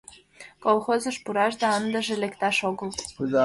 Колхозыш пураш да ындыже лекташ огыл.